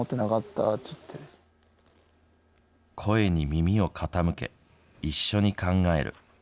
耳を傾け、一緒に考える。